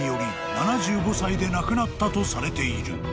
７５歳で亡くなったとされている］